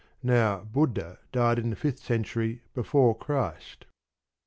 Now, Buddha died in the fifth century before Christ.